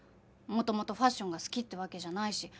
元々ファッションが好きってわけじゃないし